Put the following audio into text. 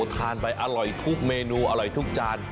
ทานไปอร่อยทุกเมนูอร่อยทุกจาน